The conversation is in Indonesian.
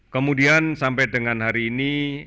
kemudian sampai dengan hari ini